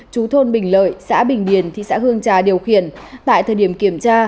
chú thôn bình lợi xã bình điền thị xã hương trà điều khiển tại thời điểm kiểm tra